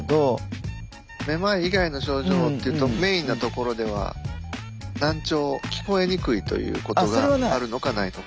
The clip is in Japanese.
めまい以外の症状っていうとメインなところでは難聴聞こえにくいということがあるのかないのか。